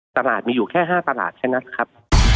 ตลาดมีอยู่แค่๕ตลาดแค่นั้นครับ